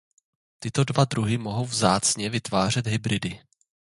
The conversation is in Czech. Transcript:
Tyto dva druhy mohou vzácně vytvářet hybridy.